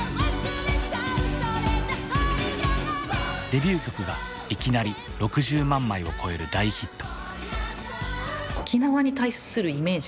デビュー曲がいきなり６０万枚を超える大ヒット。